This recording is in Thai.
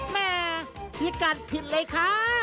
แม่พิกัดผิดเลยค่ะ